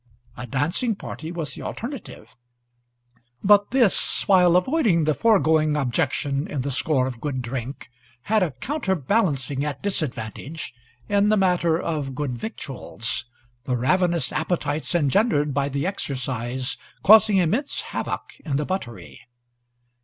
A dancing party was the alternative; but this, while avoiding the foregoing objection on the score of good drink, had a counterbalancing disadvantage in the matter of good victuals, the ravenous appetites engendered by the exercise causing immense havoc in the buttery.